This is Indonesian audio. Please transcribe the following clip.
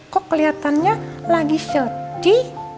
kok keliatannya lagi soti